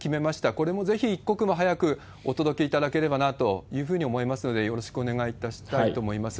これもぜひ一刻も早くお届けいただければなというふうに思いますので、よろしくお願いいたしたいと思います。